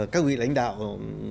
các vị lãnh đạo